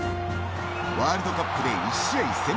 ワールドカップで１試合１０００